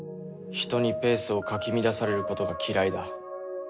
人にペースをかき乱されることが嫌いだ